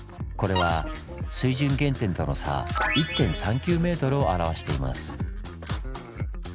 これは水準原点との差１．３９ｍを表しています。